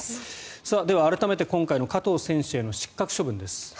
では改めて今回の加藤選手への失格処分です。